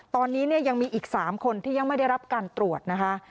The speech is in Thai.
ตอนนี้เนี่ยยังมีอีก๓คนที่ยังไม่ได้รับการตรวจนะคะ